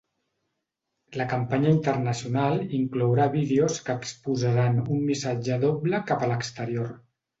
La campanya internacional inclourà vídeos que exposaran un missatge doble cap a l’exterior.